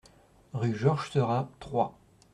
Rue Georges Seurat, Troyes